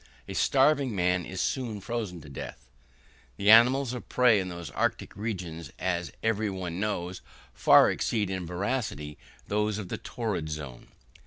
A starving man is soon frozen to death. The animals of prey in the arctic regions, as every one knows, far exceed in voracity those of the torrid zone.